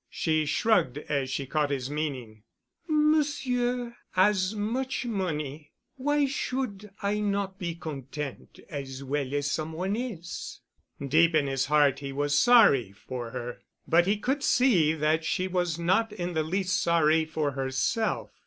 She shrugged as she caught his meaning. "Monsieur 'as much money. Why should I not be content as well as some one else?" Deep in his heart he was sorry for her, but he could see that she was not in the least sorry for herself.